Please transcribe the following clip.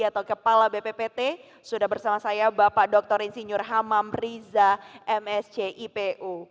atau kepala bppt sudah bersama saya bapak dr insinyur hamam riza mscipu